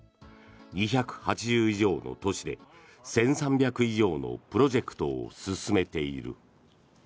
２８０以上の都市で１３００以上のプロジェクトを進めている。